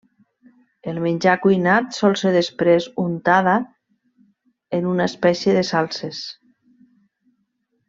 El menjar cuinat sol ser després untada en una espècie de salses.